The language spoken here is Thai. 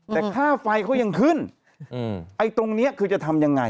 แต่ค่าไฟเขายังขึ้นไอ้ตรงนี้คือจะทำยังไง